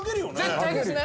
絶対ですね？